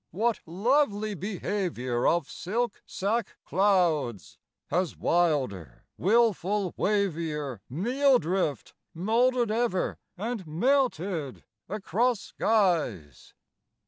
what lovely behaviour Of silk sack clouds! has wilder, wilful wavier Meal drift moulded ever and melted across skies?